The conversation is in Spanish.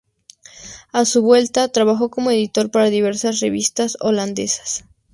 A su vuelta trabajo como editor para diversas revistas holandesas.